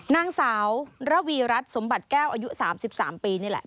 นางสาวระวีรัฐสมบัติแก้วอายุ๓๓ปีนี่แหละ